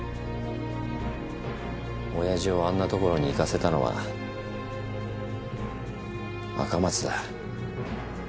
おやじをあんな所に行かせたのは赤松だ。